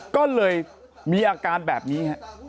ก็เลยมีอาการแบบนี้ฮะ